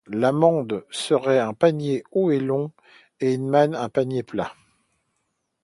La mande serait un panier haut et long, et la manne un panier plat.